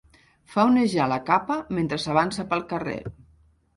Fa onejar la capa mentre avança pel carrer.